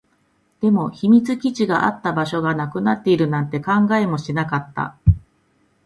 でも、秘密基地があった場所がなくなっているなんて考えもしなかった